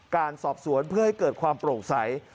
การสอบสวนเพื่อให้เกิดความโปร่งใส